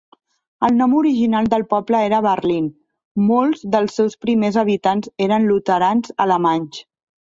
El nom original del poble era Berlin; molts dels seus primers habitants eren luterans alemanys.